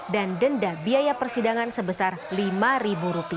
dan denda biaya persidangan sebesar rp lima